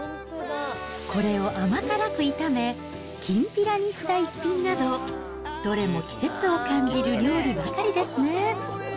これを甘辛く炒め、きんぴらにした一品など、どれも季節を感じる料理ばかりですね。